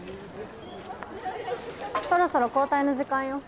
そろそろ交代の時間よ。